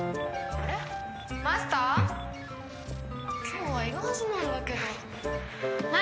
「今日はいるはずなんだけど」